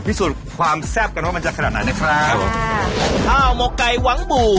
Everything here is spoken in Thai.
พิสูจน์ความแซ่บกันว่ามันจะขนาดไหนนะครับค่ะข้าวหมกไก่หวังหมู่